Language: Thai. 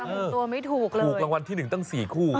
ตัวไม่ถูกเลยถูกรางวัลที่๑ตั้ง๔คู่